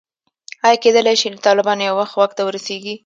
ایا کېدلای شي طالبان یو وخت واک ته ورسېږي.